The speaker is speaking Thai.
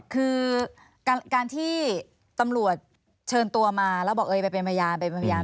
คือการที่ตำรวจเชิญตัวมาแล้วบอกไปเป็นพยาน